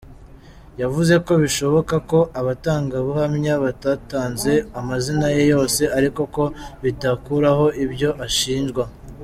Yavuze ko bishoboka ko abatangabuhamya batatanze amazina ye yose ariko ko bidakuraho ibyo ashinjwa.